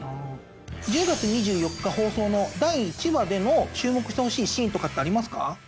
１０月２４日放送の第１話での注目してほしいシーンとかってありますか？